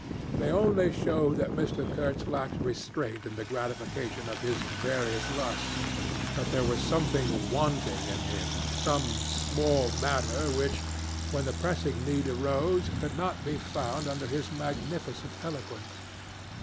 They only showed that Mr. Kurtz lacked restraint in the gratification of his various lusts, that there was something wanting in him some small matter which, when the pressing need arose, could not be found under his magnificent eloquence.